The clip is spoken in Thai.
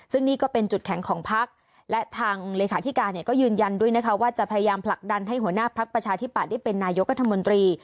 ซึ่งนี่ก็เป็นจุดแข็งของพักและทางเลขาธิการเนี่ยก็ยืนยันด้วยนะคะว่าจะพยายามผลักดันให้หัวหน้าพักประชาธิปัตย์ได้เป็นนายกรัฐมนตรี